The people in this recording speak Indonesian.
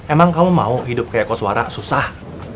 emang kamu mau hidup kaya koswaran susah